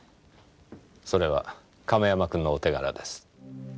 それは亀山くんのお手柄です。